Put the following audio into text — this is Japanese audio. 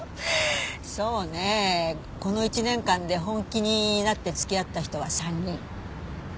そうねこの１年間で本気になって付き合った人は３人。